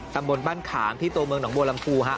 ตำบลบ้านขามที่ตัวเมืองหนองบัวลำพูฮะ